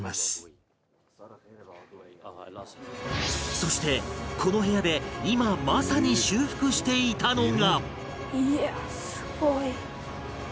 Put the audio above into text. そしてこの部屋で今まさに修復していたのが